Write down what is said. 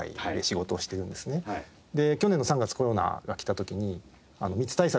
で去年の３月コロナが来た時に密対策